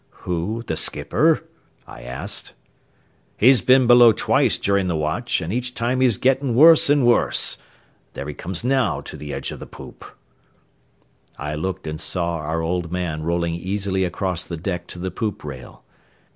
"Who, the skipper?" I asked. "He's been below twice during the watch, an' each time he's gettin' worse an' worse. There he comes now to the edge of the poop." I looked and saw our old man rolling easily across the deck to the poop rail.